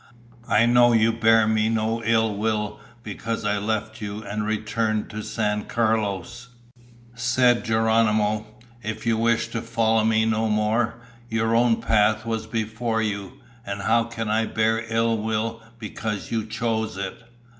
I know you bear me no ill will because I left you and returned to San Carlos." Said Geronimo, "If you wished to follow me no more, your own path was before you, and how can I bear ill will because you chose it?